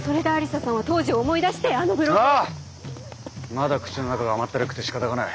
まだ口の中が甘ったるくてしかたがない。